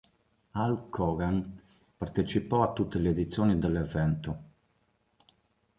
Hulk Hogan partecipò a tutte le edizioni dell'evento.